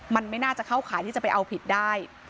มันไม่น่าจะเข้าขายที่จะไปเอาผิดได้